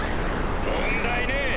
問題ねぇ。